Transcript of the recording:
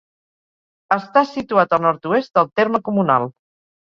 Està situat al nord-oest del terme comunal.